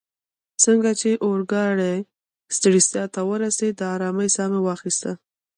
څنګه چي اورګاډې سټریسا ته ورسیدل، د آرامۍ ساه مې واخیسته.